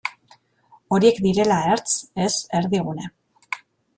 Horiek direla ertz, ez erdigune.